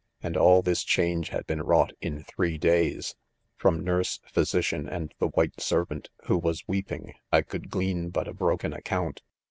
And all this change had been wrought in three days !" From nurse, physician, and the white ser vant, who was weeping, I 'could' glean but a broken account.